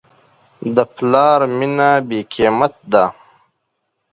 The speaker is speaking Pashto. د پلار مینه بېقیمت ده.